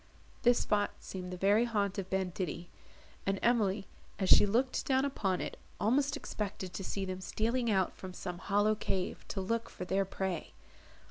This spot seemed the very haunt of banditti; and Emily, as she looked down upon it, almost expected to see them stealing out from some hollow cave to look for their prey.